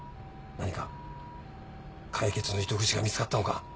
何か解決の糸口が見つかったのか？